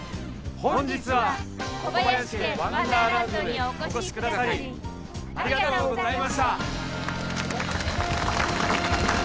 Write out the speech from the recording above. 本日は小林家ワンダーランドにお越しくださりありがとうございました。